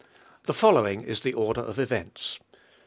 The following is the order of events.